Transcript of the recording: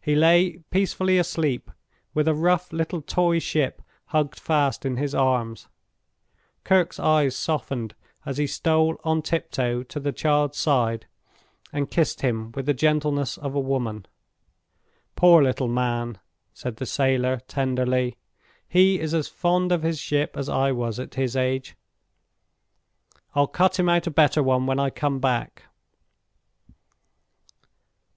He lay peacefully asleep, with a rough little toy ship hugged fast in his arms. Kirke's eyes softened as he stole on tiptoe to the child's side, and kissed him with the gentleness of a woman. "Poor little man!" said the sailor, tenderly. "He is as fond of his ship as I was at his age. I'll cut him out a better one when I come back.